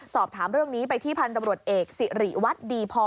สอบถามเรื่องนี้ไปที่พันธบรวจเอกสิริวัตรดีพอ